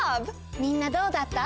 みんなどうだった？